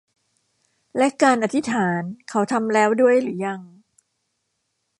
และการอธิษฐานเขาทำแล้วด้วยหรือยัง